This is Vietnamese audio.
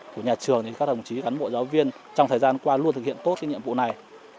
của nhà trường thì các đồng chí cán bộ giáo viên trong thời gian qua luôn thực hiện tốt cái nhiệm vụ này